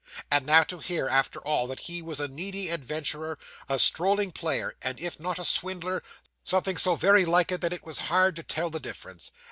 And now, to hear, after all, that he was a needy adventurer, a strolling player, and if not a swindler, something so very like it, that it was hard to tell the difference!